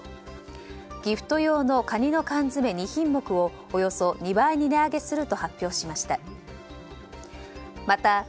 ギフト用のカニの缶詰２品目をおよそ２倍に値上げすると発表しました。